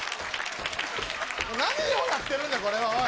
何をやってるんだ、これは、おい。